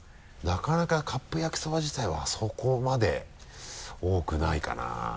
なかなかカップ焼きそば自体はそこまで多くないかな。